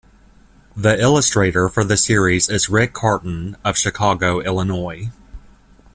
The illustrator for the series is Rick Carton of Chicago, Illinois.